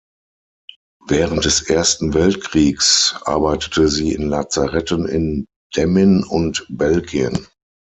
Während des Ersten Weltkriegs arbeitete sie in Lazaretten in Demmin und Belgien.